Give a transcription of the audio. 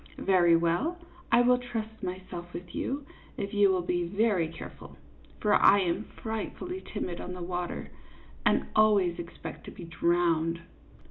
"Very well, I will trust myself with you if you CLYDE MOORFIELD, YACHTSMAN'. 45 will be very careful ; for I am frightfully timid on the water, and always expect to be drowned."